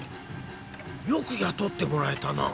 よく雇ってもらえたな。